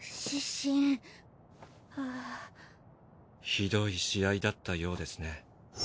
ひどい試合だったようですね。